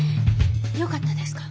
よかったですか？